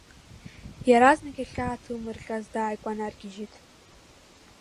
Иаразнак иахьааҭылмырҟьаз дааикәанаргьежьит.